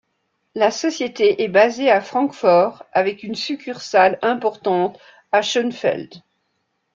La société est basée à Francfort, avec une succursale importante à Schönefeld.